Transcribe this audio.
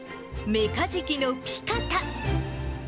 メカジキのピカタ。